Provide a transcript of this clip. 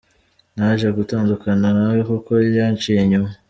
Naje gutandukana nawe kuko yanciye inyuma.